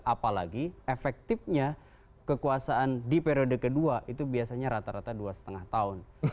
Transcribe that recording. apalagi efektifnya kekuasaan di periode kedua itu biasanya rata rata dua lima tahun